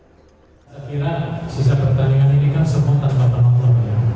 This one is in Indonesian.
saya kira sisa pertandingan ini kan semua tanpa penonton